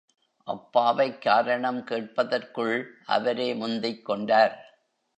அப்பாவைக் காரணம் கேட்பதற்குள் அவரே முந்திக் கொண்டார்.